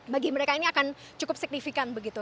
bagi mereka ini akan cukup signifikan begitu